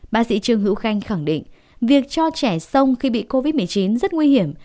bác sĩ trương hữu khanh khẳng định việc cho trẻ sông khi bị covid một mươi chín rất nguy hiểm